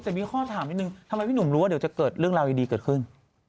แต่มีข้อถามนิดนึงทำไมพี่หนุ่มรู้ว่าเดี๋ยวจะเกิดเรื่องราวดีเกิดขึ้น